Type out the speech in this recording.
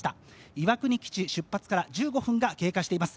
岩国基地出発から１５分が経過しています。